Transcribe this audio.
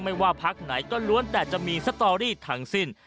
ไม่ว่าพักไหนก็ล้วนแต่จะมีสตอรี่ทั้งสิ้น